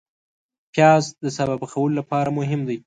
پیاز د سابه پخولو لپاره مهم دی